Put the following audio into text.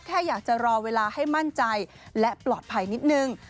แค่อยากจะรอเวลาให้มั่นใจและปลอดภัยนิดนึง